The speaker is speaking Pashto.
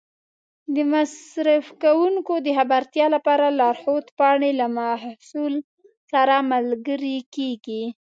د مصرف کوونکو د خبرتیا لپاره لارښود پاڼې له محصول سره ملګري کېږي.